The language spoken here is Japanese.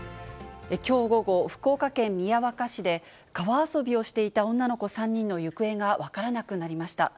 きょう午後、福岡県宮若市で、川遊びをしていた女の子３人の行方が分からなくなりました。